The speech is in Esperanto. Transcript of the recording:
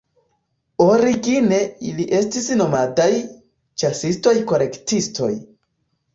Origine, ili estis nomadaj, ĉasistoj-kolektistoj.